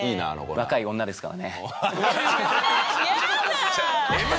「若い女ですから」。